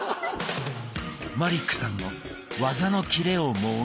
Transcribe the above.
マリックさんの技のキレをもう一度。